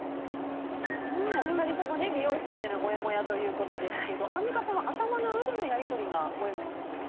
お二人とも、美容室でのもやもやということですがアンミカさんは頭の上でのやり取りがもやもやする？